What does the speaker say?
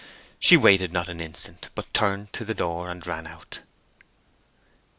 She waited not an instant, but turned to the door and ran out.